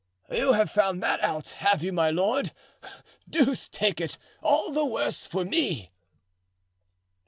"You have found that out, have you, my lord? Deuce take it—all the worse for me!"